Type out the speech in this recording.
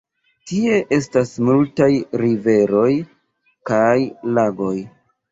Tie estas multaj riveroj kaj lagoj.